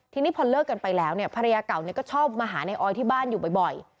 ทีนี้พอเลิกกันไปแล้วเนี่ยภรรยาเก่าก็ชอบมาหาในออยที่บ้านอยู่บ่อย